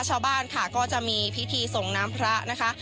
ชาวบ้านค่ะก็จะมีพิธีส่งน้ำพระนะคะ